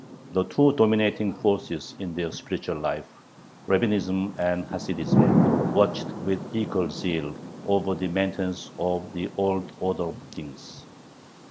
The two dominating forces in their spiritual life, Rabbinism and Hasidism, watched with equal zeal over the maintenance of the old order of things.